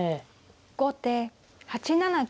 後手８七金。